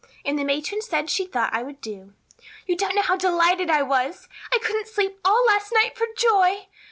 And the matron said she thought I would do. You don't know how delighted I was. I couldn't sleep all last night for joy.